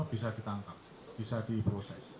bisa ditangkap bisa diproses